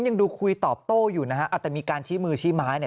ยังดูคุยตอบโต้อยู่นะฮะเอาแต่มีการชี้มือชี้ไม้เนี่ย